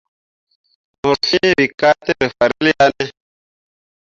Mor fẽẽ we ka tǝ rǝ fahrel ya ne ?